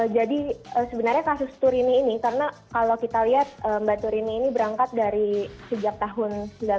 jadi sebenarnya kasus turini ini karena kalau kita lihat mbak turini ini berangkat dari sejak tahun seribu sembilan ratus sembilan puluh delapan